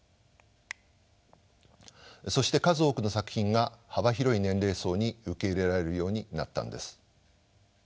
そして数多くの作品が幅広い年齢層に受け入れられるようになったんです。